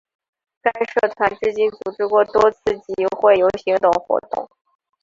该社团至今组织过多次集会游行等活动。